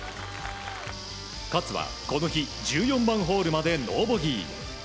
勝はこの日１４番ホールまでノーボギー。